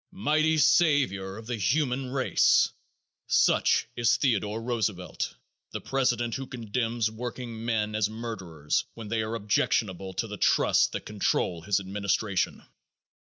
Mighty savior of the human race! Such is Theodore Roosevelt, the president who condemns workingmen as murderers when they are objectionable to the trusts that control his administration.